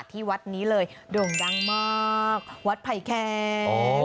ที่วัดนี้เลยโด่งดังมากวัดไผ่แค้น